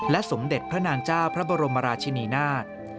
สมเด็จพระนางเจ้าพระบรมราชินีนาฏ